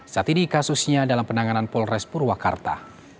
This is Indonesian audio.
saat ini kasusnya dalam penanganan polres purwakarta